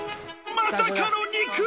まさかの肉！